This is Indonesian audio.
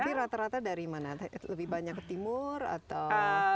tapi rata rata dari mana lebih banyak ke timur atau